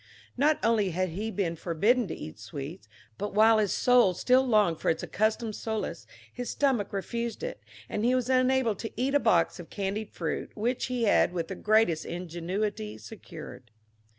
Not only had he been forbidden to eat sweets, but while his soul still longed for its accustomed solace, his stomach refused it, and he was unable to eat a box of candied fruit which he had with the greatest ingenuity secured.